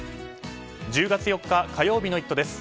１０月４日火曜日の「イット！」です。